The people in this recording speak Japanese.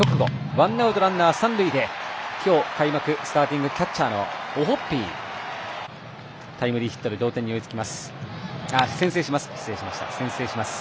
ワンアウト、ランナー、三塁で今日、開幕スターティングキャッチャーのオホッピー、タイムリーヒットで先制します。